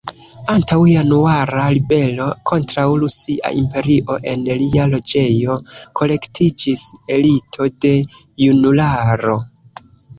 Antaŭ Januara Ribelo kontraŭ Rusia Imperio en lia loĝejo kolektiĝis elito de junularo.